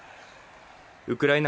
ウクライナ